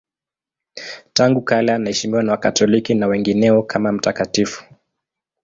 Tangu kale anaheshimiwa na Wakatoliki na wengineo kama mtakatifu.